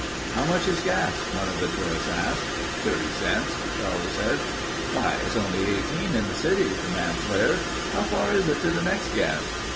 "How much is gas?" one of the tourists asked. "Thirty cents," Charlie said. "Why, it's only 18 in the city," the man flared. "How far is it to the next gas?"